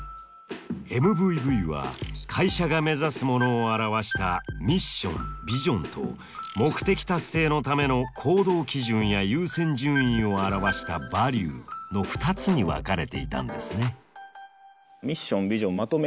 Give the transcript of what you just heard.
ＭＶＶは会社が目指すものを表したミッションビジョンと目的達成のための行動規準や優先順位を表したバリューの２つに分かれていたんですね。